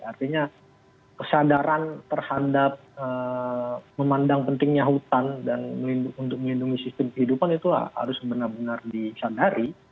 artinya kesadaran terhadap memandang pentingnya hutan dan untuk melindungi sistem kehidupan itu harus benar benar disadari